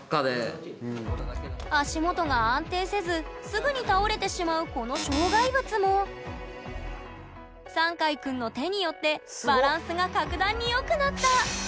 足元が安定せずすぐに倒れてしまうこの障害物もさんかいくんの手によってバランスが格段に良くなった！